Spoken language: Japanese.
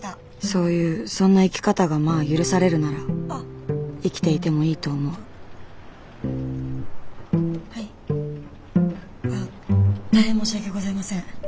そういうそんな生き方がまあ許されるなら生きていてもいいと思うはいああ大変申し訳ございません。